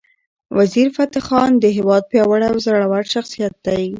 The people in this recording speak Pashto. وزیرفتح خان د هیواد پیاوړی او زړور شخصیت دی.